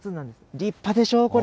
立派でしょう、これ。